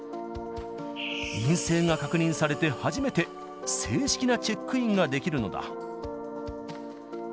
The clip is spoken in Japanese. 陰性が確認されて初めて正式なチェックインができるのだ。